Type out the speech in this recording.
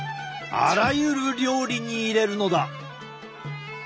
あらゆる料理に入れるのだ！